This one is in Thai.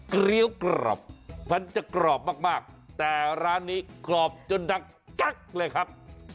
เกี้ยวกรอบมันจะกรอบมากแต่ร้านนี้กรอบจนดังกั๊กเลยครับ